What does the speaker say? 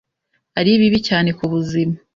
ari bibi cyane ku buzima,